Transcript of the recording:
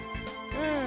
うん。